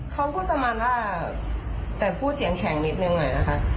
เขาพูดประมาณว่าแต่พูดเสียงแข็งนิดนึงหน่อยนะคะ